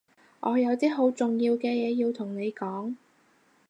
我有啲好重要嘅嘢要同你講